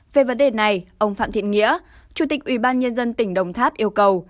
về vấn đề này ông phạm thiện nghĩa chủ tịch ủy ban nhân dân tỉnh đồng tháp yêu cầu